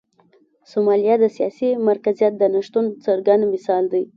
سومالیا د سیاسي مرکزیت د نشتون څرګند مثال دی.